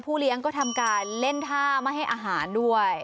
เลี้ยงก็ทำการเล่นท่าไม่ให้อาหารด้วย